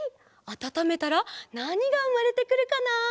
あたためたらなにがうまれてくるかな？